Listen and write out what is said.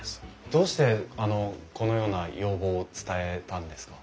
どうしてこのような要望を伝えたんですか？